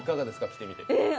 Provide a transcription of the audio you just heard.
着てみて。